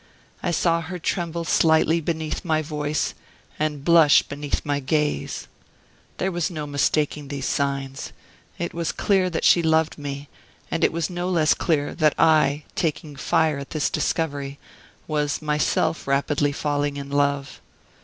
I saw her tremble slightly beneath my voice, and blush beneath my gaze. "There was no mistaking these signs. It was clear that she loved me; and it was no less clear that I, taking fire at this discovery, was myself rapidly falling in love.